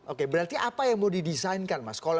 oke berarti apa yang mau didesain kan mas